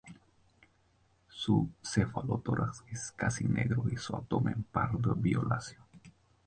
Su cefalotórax es casi negro y el abdomen pardo violáceo.